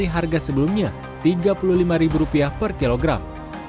harga sebelumnya rp tiga puluh lima per kilogram